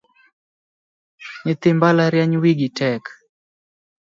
Nyithi mbalariany wigi tek